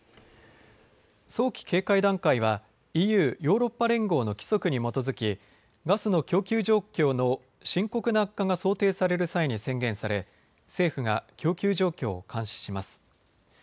早期警戒段階はＥＵ・ヨーロッパ連合の規則に基づきガスの供給状況の深刻な悪化が想定される際に宣言され政府が供給状況を監視します。